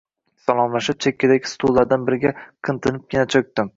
Salomlashib, chekkadagi stullardan biriga qimtinibgina cho‘kdim